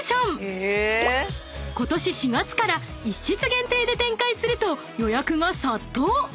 ［ことし４月から１室限定で展開すると予約が殺到］